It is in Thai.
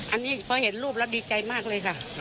อันนี้พอเห็นรูปแล้วดีใจมากเลยค่ะ